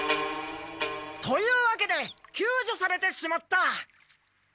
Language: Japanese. というわけで救助されてしまった。